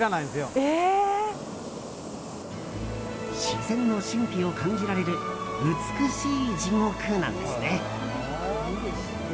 自然の神秘を感じられる美しい地獄なんですね。